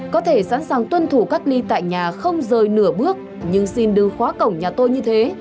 có thể sẵn sàng tuân thủ cách ly tại nhà không rời nửa bước nhưng xin đừng khóa cổng nhà tôi như thế